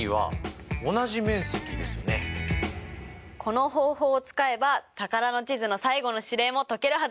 この方法を使えば宝の地図の最後の指令も解けるはずです！